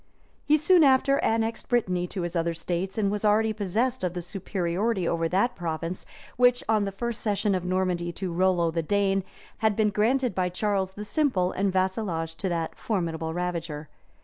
He soon after annexed Brittany to his other states, and was already possessed of the superiority over that province, which, on the first cession of Normandy to Rollo the Dane, had been granted by Charles the Simple in vassalage to that formidable ravager.